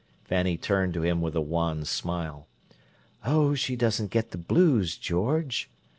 Fanny turned to him with a wan smile. "Oh, she doesn't 'get the blues,' George!"